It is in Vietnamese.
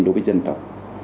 đối với dân tộc